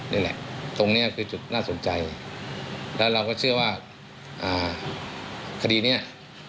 นี่แหละตรงนี้คือจุดน่าสนใจแล้วเราก็เชื่อว่าคดีนี้